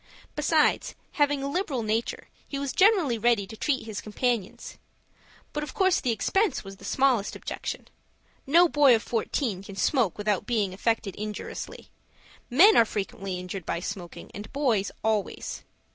Besides, having a liberal nature, he was generally ready to treat his companions. But of course the expense was the smallest objection. No boy of fourteen can smoke without being affected injuriously. Men are frequently injured by smoking, and boys always.